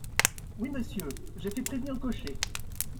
Oui, monsieur ! j’ai fait prévenir le cocher.